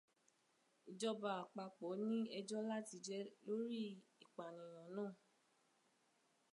Ìjọba àpapọ̀ ní ẹjọ́ láti jẹ lórí ìpànìyàn náà.